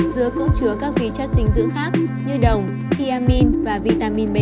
dứa cũng chứa các khí chất sinh dưỡng khác như đồng thiamin và vitamin b sáu